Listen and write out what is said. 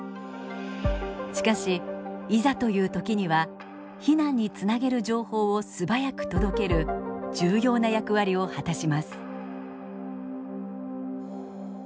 しかしいざという時には避難につなげる情報を素早く届ける重要な役割を果たします。